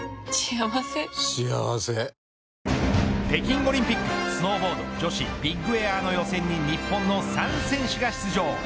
北京オリンピックスノーボード女子ビッグエアの予選に日本の３選手が出場。